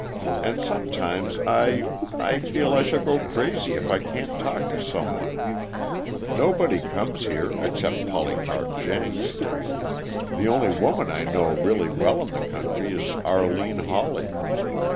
And sometimes I I feel I shall go crazy if I can't talk to some one. Nobody comes here, except Polycarp Jenks. The only woman I know really well in the country is Arline Hawley.